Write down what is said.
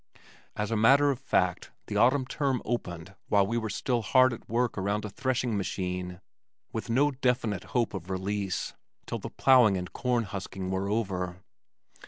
As a matter of fact the autumn term opened while we were still hard at work around a threshing machine with no definite hope of release till the plowing and corn husking were over.